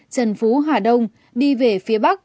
trần phú hà đông đi về phía bắc